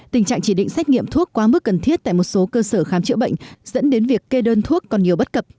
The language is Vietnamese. tình trạng chỉ định xét nghiệm thuốc quá mức cần thiết tại một số cơ sở khám chữa bệnh dẫn đến việc kê đơn thuốc còn nhiều bất cập